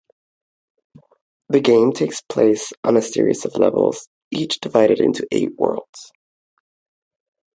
The game takes place on a series of levels, each divided into eight worlds.